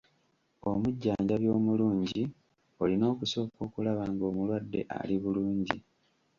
Omujjanjabi omulungi olina okusooka okulaba ng’omulwadde ali bulungi.